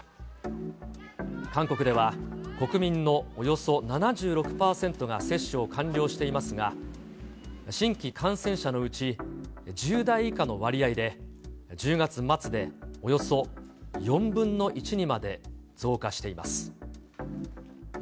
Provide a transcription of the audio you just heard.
韓国では、国民のおよそ７６％が接種を完了していますが、新規感染者のうち、１０代以下の割合で、１０月末でおよそ４分の１にまで増加しています。